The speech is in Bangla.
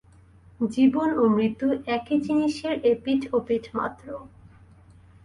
জীবন ও মৃত্যু একই জিনিষের এপিঠ ওপিঠ মাত্র।